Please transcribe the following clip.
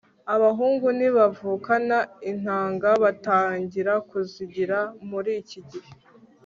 abahungu ntibavukana intanga, batangira kuzigira muri iki gihe